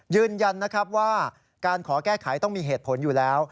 ยืนยันนะครับว่าการขอแก้ไขต้องมีเหตุผลอยู่แล้ว